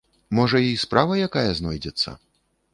Можа, і справа якая знойдзецца?